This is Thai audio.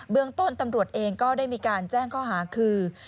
เมืองต้นตำรวจเองก็ได้มีการแจ้งข้อหาคือ